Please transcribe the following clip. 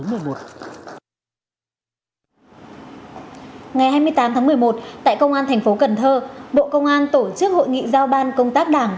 ngày hai mươi tám tháng một mươi một tại công an thành phố cần thơ bộ công an tổ chức hội nghị giao ban công tác đảng